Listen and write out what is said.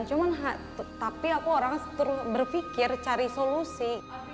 cuman tapi aku orangnya terus berpikir cari solusi